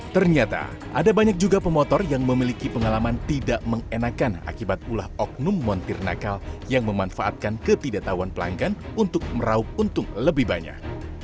ternyata ada banyak juga pemotor yang memiliki pengalaman tidak mengenakan akibat ulah oknum montir nakal yang memanfaatkan ketidaktahuan pelanggan untuk meraup untung lebih banyak